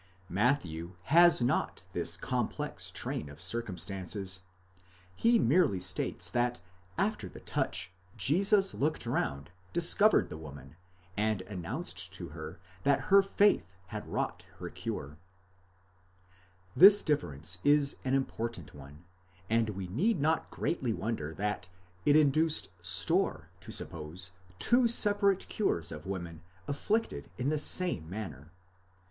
Matthew has not this complex train of circumstances ; he merely states that after the touch Jesus looked round, discovered the woman, and announced to her that her faith had wrought her cure, This difference is an important one, and we need not greatly wonder that it induced Storr to suppose two separate cures of women afflicted in the same manner.!